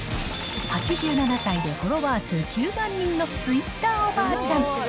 ８７歳でフォロワー数９万人のツイッターおばあちゃん。